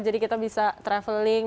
jadi kita bisa traveling